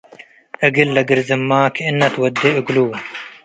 እግል ለግርዝመ ክእነ ትወዴ እግሉ ።